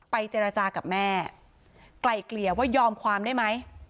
เจรจากับแม่ไกลเกลี่ยว่ายอมความได้ไหม